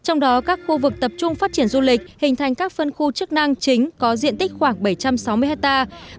trong đó các khu vực tập trung phát triển du lịch hình thành các phân khu chức năng chính có diện tích khoảng bảy trăm sáu mươi hectare